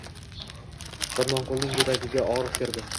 Shodmonqulning yuragiga og‘riq kirdi